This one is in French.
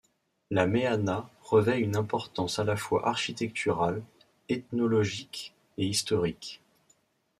La mehana revêt une importance à la fois architecturale, ethnologique et historique.